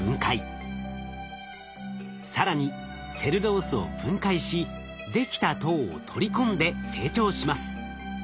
更にセルロースを分解しできた糖を取り込んで成長します。